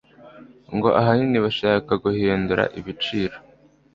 ngo ahanini bashaka guhindura ibiciro